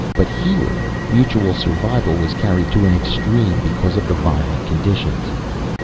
But here, mutual survival was carried to an extreme because of the violent conditions.